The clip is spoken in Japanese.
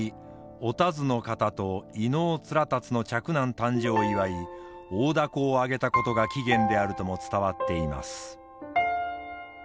お田鶴の方と飯尾連龍の嫡男誕生を祝い大凧を揚げたことが起源であるとも伝わっています。